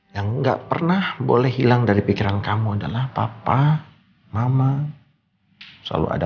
yang nggak pernah boleh hilang dari pikiran kamu adalah papa mama selalu ada